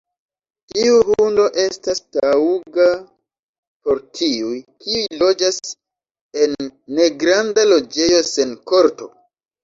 Tiu hundo estas taŭga por tiuj, kiuj loĝas en negranda loĝejo sen korto.